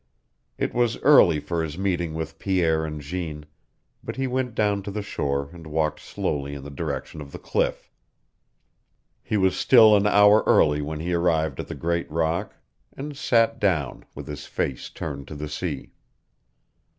It was early for his meeting with Pierre and Jeanne, but he went down to the shore and walked slowly in the direction of the cliff. He was still an hour early when he arrived at the great rock, and sat down, with his face turned to the sea.